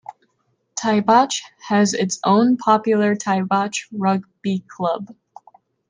Taibach has its own popular Taibach Rugby Club.